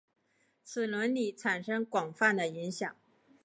此理论产生广泛的影响。